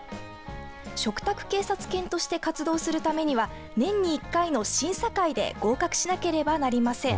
嘱託警察犬として活動するためには年に１回の審査会で合格しなければいけません。